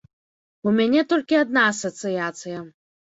У мяне толькі адна асацыяцыя.